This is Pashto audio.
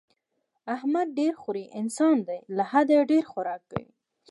احمد ډېر خوری انسان دی، له حده ډېر خوراک کوي.